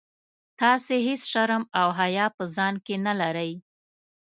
تاسي هیڅ شرم او حیا په ځان کي نه لرئ.